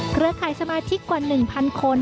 เครือข่ายสมาชิกกว่า๑๐๐คน